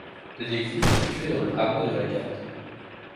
L'église est située dans le hameau de La Garde.